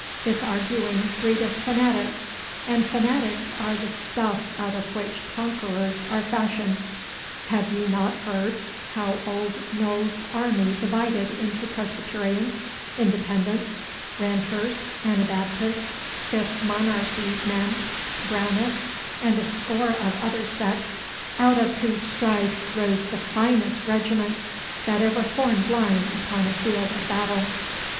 This arguing breedeth fanatics, and fanatics are the stuff out of which conquerors are fashioned. Have you not heard how Old Noll's army divided into Presbyterians, Independents, Ranters, Anabaptists, Fifth Monarchy men, Brownists, and a score of other sects, out of whose strife rose the finest regiments that ever formed line upon a field of battle?